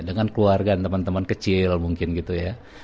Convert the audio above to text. dengan keluarga dan teman teman kecil mungkin gitu ya